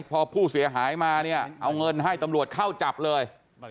พอผู้เสียหายมาเนี่ยเอาเงินให้ตำรวจเข้าจับเลย